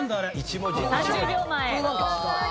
３０秒前。